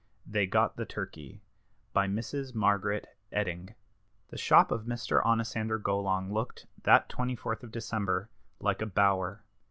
THEY GOT THE TURKEY. BY MRS. MARGARET EYTINGE. The shop of Mr. Onosander Golong looked, that 24th of December, like a bower.